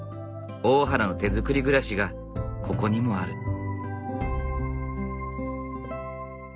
大原の手づくり暮らしがここにもある。